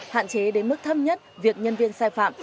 hạn chế đến mức thâm nhất việc nhân viên sai phạm